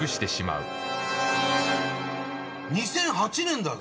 ２００８年だ。